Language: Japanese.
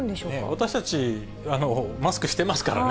私たち、マスクしてますからね。